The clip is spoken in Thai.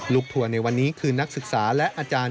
ทัวร์ในวันนี้คือนักศึกษาและอาจารย์